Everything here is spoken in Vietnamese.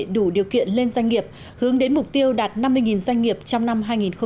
đủ điều kiện lên doanh nghiệp hướng đến mục tiêu đạt năm mươi doanh nghiệp trong năm hai nghìn hai mươi